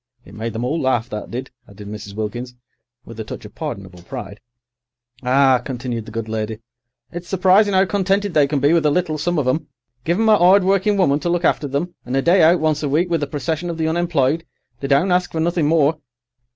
It made them all laugh, that did," added Mrs. Wilkins, with a touch of pardonable pride. "Ah," continued the good lady, "it's surprising 'ow contented they can be with a little, some of 'em. Give 'em a 'ard working woman to look after them, and a day out once a week with a procession of the unemployed, they don't ask for nothing more.